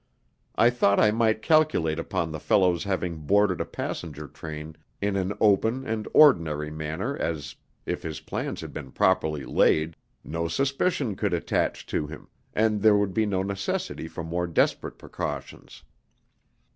I thought I might calculate upon the fellow's having boarded a passenger train in an open and ordinary manner as, if his plans had been properly laid, no suspicion could attach to him, and there would be no necessity for more desperate precautions.